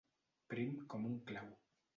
Prim com un clau.